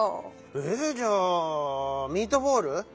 ええ⁉じゃあミートボール？